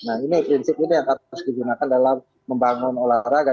nah ini prinsip ini yang harus digunakan dalam membangun olahraga